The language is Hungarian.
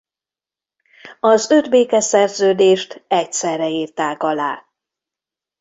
Az öt békeszerződést egyszerre írták alá.